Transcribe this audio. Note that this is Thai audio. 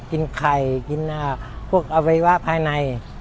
กินไข่กินพวกอวัยวะภายใน